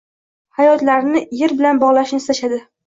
hayotlarini yer bilan bog‘lashni istashadi.